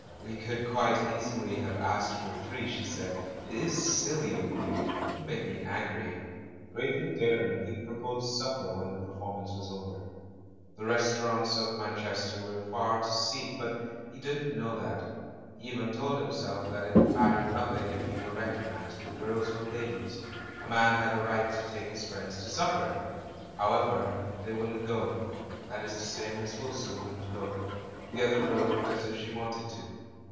"We could quite easily have asked for three," she said. "It is silly of you! You make me angry." Greatly daring, he proposed supper when the performance was over. The restaurants of Man chester were far to seek, but he didn't know that ; he even told himself that it mattered nothing if he were recognised; the girls were ladies, a man had a right to take his friends to supper! How ever, they wouldn't go; that is to say. Miss Wil son wouldn't go; the other girl looked as if she wanted to.